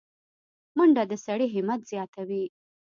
منډه د سړي همت زیاتوي